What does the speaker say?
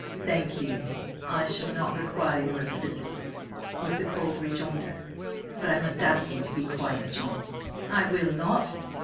"Thank you, I shall not require your assistance," was the cold rejoinder. "But I must ask you to be quiet, John." "I will not!